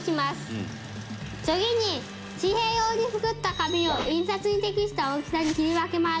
次に紙幣用に作った紙を印刷に適した大きさに切り分けます。